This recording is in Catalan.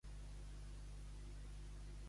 Abans venceràs espasa i ganivet que no fort coratge.